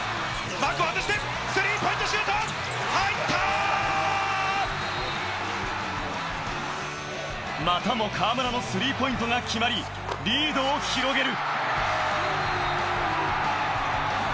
マークを外して、スリーポイントまたも河村のスリーポイントが決まり、リードを広げる。